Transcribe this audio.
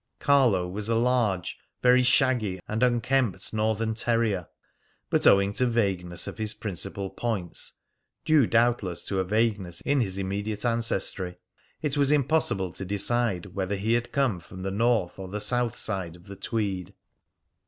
Carlo was a large, very shaggy and unkempt Northern terrier, but owing to vagueness of his principal points, due doubtless to a vagueness in his immediate ancestry, it was impossible to decide whether he had come from the north or the south side of the Tweed.